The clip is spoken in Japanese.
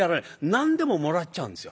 何でももらっちゃうんですよ。